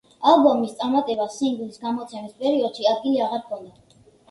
ალბომის წარმატებას სინგლის გამოცემის პერიოდში ადგილი აღარ ჰქონდა.